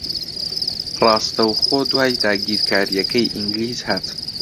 ڕاستەوخۆ دوای داگیرکارییەکەی ئینگلیز ھات